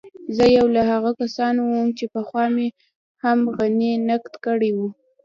زه يو له هغو کسانو وم چې پخوا مې هم غني نقد کړی و.